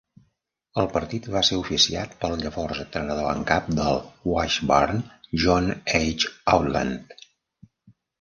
El partit va ser oficiat pel llavors entrenador en cap del Washburn, John H. Outland.